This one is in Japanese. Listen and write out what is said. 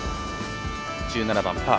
１７番、パー。